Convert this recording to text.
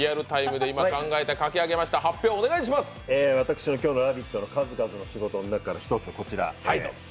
私の今日の「ラヴィット！」の数々の仕事の中からこちら。